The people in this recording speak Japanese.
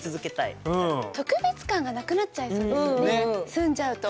住んじゃうと。